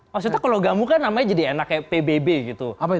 maksudnya kalau gamu kan namanya jadi enak kayak pbb gitu